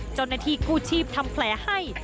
เจ้าหน้าที่กู้ชีพทำแผลให้